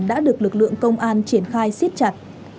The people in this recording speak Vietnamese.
đã được lực lượng công an triển khai siết chặt